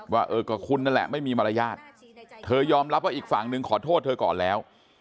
ว่าเออก็คุณนั่นแหละไม่มีมารยาทเธอยอมรับว่าอีกฝั่งนึงขอโทษเธอก่อนแล้ว